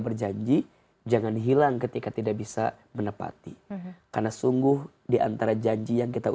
pemimpinnya juga dapat diri kita